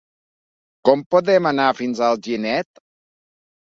Com podem anar fins a Alginet?